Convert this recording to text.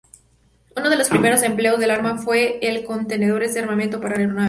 Uno de los primeros empleos del arma fue en contenedores de armamento para aeronaves.